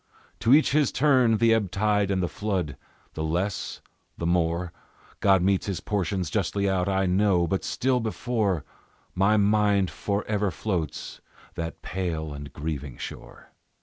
To each his turn the ebb tide and the flood, The less, the more God metes his portions justly out, I know; But still before My mind forever floats that pale and grieving shore.